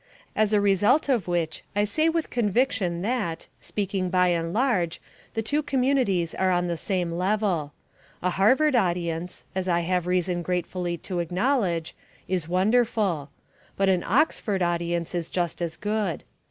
As a result of which I say with conviction that, speaking by and large, the two communities are on the same level. A Harvard audience, as I have reason gratefully to acknowledge, is wonderful. But an Oxford audience is just as good.